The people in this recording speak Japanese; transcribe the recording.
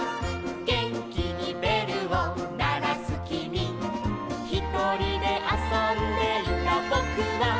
「げんきにべるをならすきみ」「ひとりであそんでいたぼくは」